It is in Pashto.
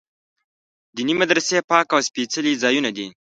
دیني مدرسې پاک او سپېڅلي ځایونه دي.